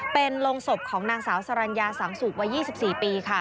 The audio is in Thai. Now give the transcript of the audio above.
เป็นโรงศพของนางสาวสรรญาสังสุกวัย๒๔ปีค่ะ